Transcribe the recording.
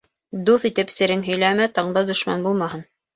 Дуҫ итеп серең һөйләмә: таңда дошман булмаһын